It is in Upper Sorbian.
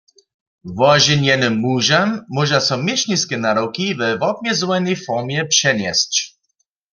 Woženjenym mužam móža so měšniske nadawki we wobmjezowanej formje přenjesć.